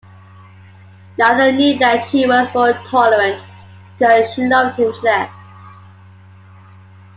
Neither knew that she was more tolerant because she loved him less.